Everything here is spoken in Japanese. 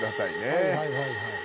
はいはいはいはい。